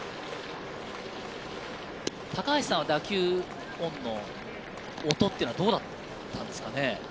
高橋さんは打球音はどうだったんですかね。